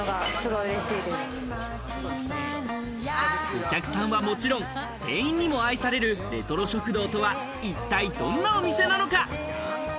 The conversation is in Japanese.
お客さんはもちろん、店員にも愛されるレトロ食堂とは一体どんなお店なのか？